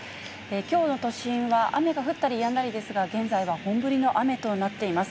きょうの都心は雨が降ったりやんだりですが、現在は本降りの雨となっています。